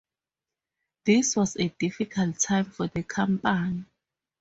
This was a difficult time for the company.